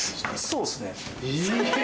・そうですね。